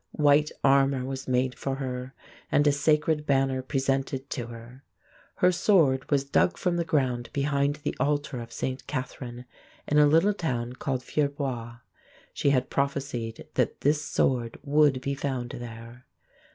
White armor was made for her and a sacred banner presented to her. Her sword was dug from the ground behind the altar of Saint Catharine, in a little town named Fierbois (Fyere bwah). She had prophesied that this sword would be found there.